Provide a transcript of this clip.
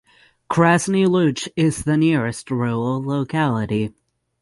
Krasny Luch is the nearest rural locality.